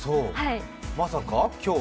まさか、今日？